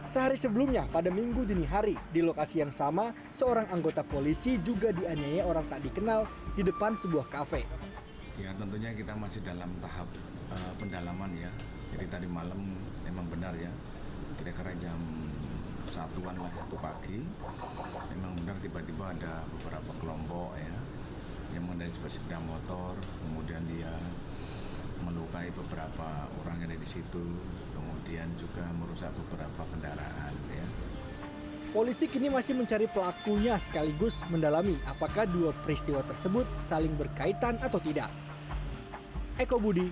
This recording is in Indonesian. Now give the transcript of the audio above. sehari sebelumnya pada minggu dinihari di lokasi yang sama seorang anggota polisi juga dianyai orang tak dikenal di depan sebuah kafe